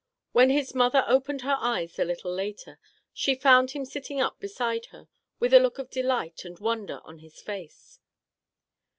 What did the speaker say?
When his mother opened her eyes a little later, she found him sitting up beside her with a look of delight and wonder on his face.